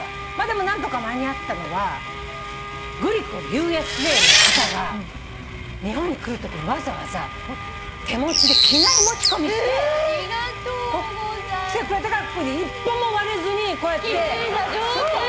でも何とか間に合ったのはＧｌｉｃｏＵＳＡの方が日本に来るときにわざわざ手持ちで機内持ち込みして来てくれたから一本も割れずにこうやって。